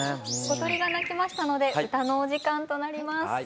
小鳥が鳴きましたので歌のお時間となります。